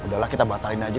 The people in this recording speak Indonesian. udah lah kita batalin aja